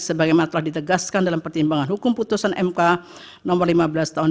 sebagaimana telah ditegaskan dalam pertimbangan hukum putusan mk no lima belas tahun dua ribu